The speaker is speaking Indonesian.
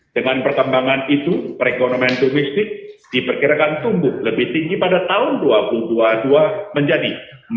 dengan perkembangan itu perekonomian domestik diperkirakan tumbuh lebih tinggi pada tahun dua ribu dua puluh dua menjadi dua puluh